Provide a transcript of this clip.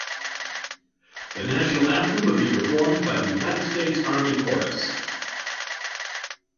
The national anthem would be performed by the United States Army Chorus.